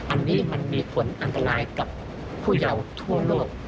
อันนี้มันมีผลอันตรายกับผู้เยาว์ทั่วโลก